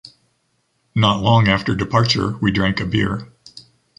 Not long after departure, we drank a beer.